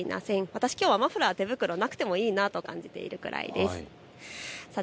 私、きょうはマフラー、手袋なくてもいいなと感じているくらいです。